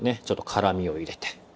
ちょっと辛みを入れて。